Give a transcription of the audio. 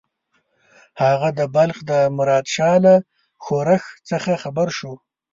هغه د بلخ د مراد شاه له ښورښ څخه خبر شو.